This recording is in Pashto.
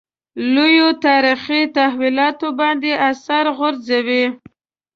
لویو تاریخي تحولاتو باندې اثر غورځوي.